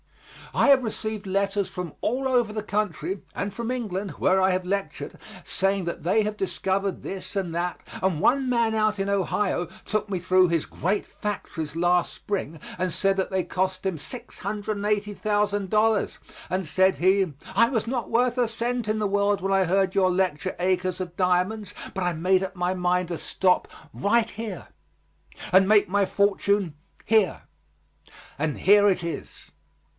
I have received letters from all over the country and from England, where I have lectured, saying that they have discovered this and that, and one man out in Ohio took me through his great factories last spring, and said that they cost him $680,000, and said he, "I was not worth a cent in the world when I heard your lecture 'Acres of Diamonds;' but I made up my mind to stop right here and make my fortune here, and here it is."